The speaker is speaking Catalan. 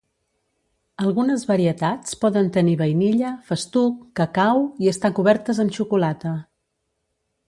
Algunes varietats poden tenir vainilla, festuc, cacau i estar cobertes amb xocolata.